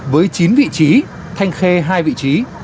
với chín vị trí thanh khê hai vị trí